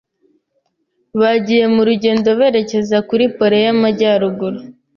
Bagiye mu rugendo berekeza kuri Pole y'Amajyaruguru.